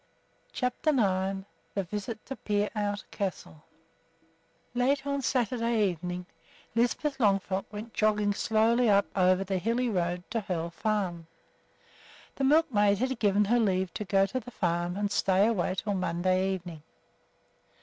CHAPTER IX THE VISIT TO PEEROUT CASTLE Late on Saturday evening Lisbeth Longfrock went jogging slowly up over the hilly road to Hoel Farm. The milkmaid had given her leave to go to the farm and to stay away until Monday evening.